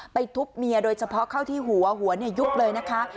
ทุบเมียโดยเฉพาะเข้าที่หัวหัวยุบเลยนะคะ